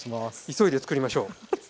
急いでつくりましょう。